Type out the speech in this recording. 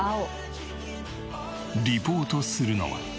リポートするのは。